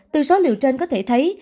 từ số liệu trên có thể thấy